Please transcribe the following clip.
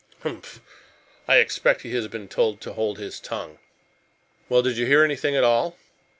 "Humph! I expect he has been told to hold his tongue. Well, did you hear anything at all?"